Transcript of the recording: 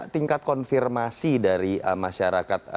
tingkat konfirmasi dari masyarakat